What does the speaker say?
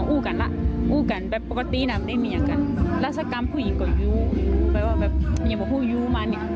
อุ้กันแบบปกติน่ะไม่ได้มีอย่างกันราชกรรมผู้หญิงก็ยู้แบบว่าแบบอย่าบอกว่าผู้ยู้มัน